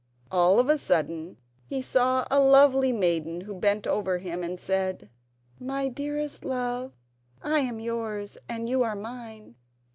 All of a sudden he saw a lovely maiden who bent over him and said: "My dearest love, I am yours and you are mine.